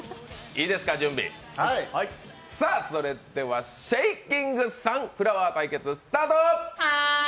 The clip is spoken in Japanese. さあ、では「シェイキング・サンフラワー」対決スタート！